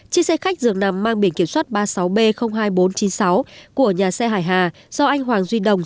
chiếc xe khách dường nằm mang biển kiểm soát ba mươi sáu b hai nghìn bốn trăm chín mươi sáu của nhà xe hải hà do anh hoàng duy đồng